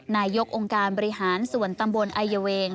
นายกองค์การบริหารส่วนตำบลอายเวง